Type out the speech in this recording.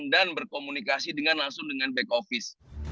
dan berkomunikasi dengan langsung dengan back office